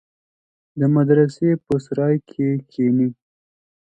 د مدرسې په سراى کښې کښېني.